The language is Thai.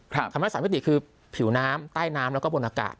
ทำให้๓มิติคือผิวน้ำใต้น้ำแล้วก็บนอากาศ